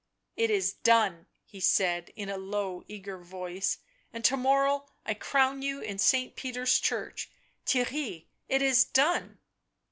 " It is done/' he said in a low eager voice, " and to morrow I crown you in St. Peter's church ; Theirry, it is done."